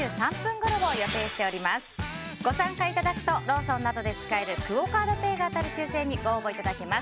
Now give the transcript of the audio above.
ご参加いただくとローソンなどで使えるクオ・カードペイが当たる抽選にご応募いただけます。